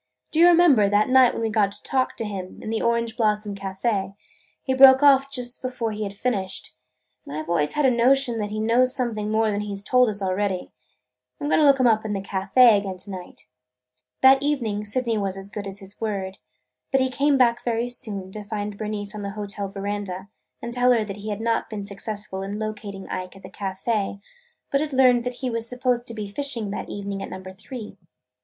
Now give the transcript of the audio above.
"Do you remember, that night when we got him to talk, in the Orange Blossom Café, he broke off before he had finished, and I 've always had a notion that he knows something more than he 's told us already. I 'm going to look him up in the café again to night." That evening Sydney was as good as his word. But he came back very soon to find Bernice on the hotel veranda and tell her that he had not been successful in locating Ike at the café but had learned that he was supposed to be fishing that evening at Number Three.